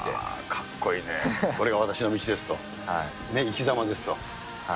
かっこいいね、これが私の道ですと、生きざまですと。